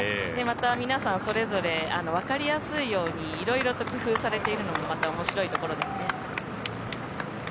また皆さん、それぞれわかりやすいようにいろいろと工夫されているのもまた面白いところですね。